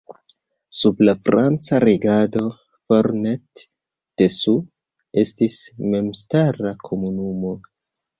Sub la franca regado Fornet-Dessous estis memstara komunumo.